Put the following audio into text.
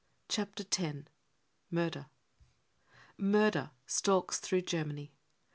Chapter X: MURDER Murder stalks through Germany.